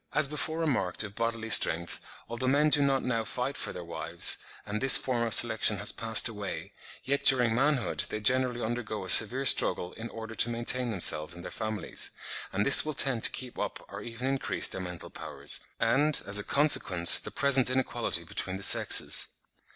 As before remarked of bodily strength, although men do not now fight for their wives, and this form of selection has passed away, yet during manhood, they generally undergo a severe struggle in order to maintain themselves and their families; and this will tend to keep up or even increase their mental powers, and, as a consequence, the present inequality between the sexes.